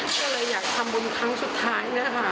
เพราะฉะนั้นอยากทำบุญครั้งสุดท้าย